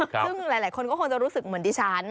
ซึ่งหลายคนก็คงจะรู้สึกเหมือนดิฉัน